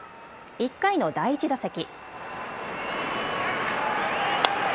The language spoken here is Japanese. １回の第１打席。